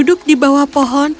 ia tidak akan spit